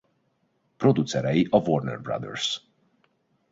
Producerei a Warner Bros.